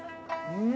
うん！